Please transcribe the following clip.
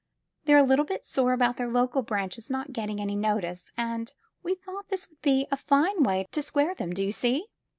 They're a little hit sore about their local hrcmches not getting any notice, and we thought this would be a fine way to square them, do you see?